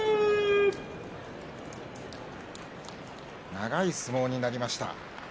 長い相撲になりました。